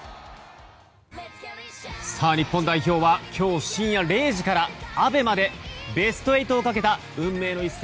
日本代表は今日深夜０時からＡＢＥＭＡで日本のベスト８をかけた運命の一戦